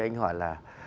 anh ấy hỏi là